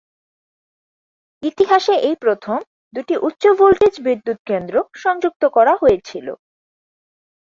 ইতিহাসে এই প্রথম দুটি উচ্চ-ভোল্টেজ বিদ্যুৎ কেন্দ্র সংযুক্ত করা হয়েছিল।